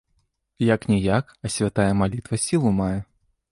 Як-ніяк, а святая малітва сілу мае.